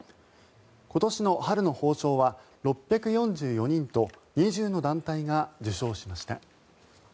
今年の春の褒章は６４４人と２０の団体が受章しました。